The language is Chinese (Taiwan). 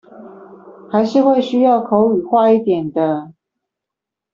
還是會需要口語化一點的